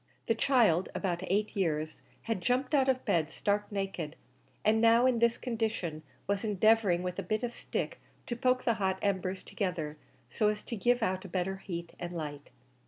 The child, about eight years, had jumped out of bed, stark naked, and now in this condition was endeavouring with a bit of stick to poke the hot embers together, so as to give out a better heat and light.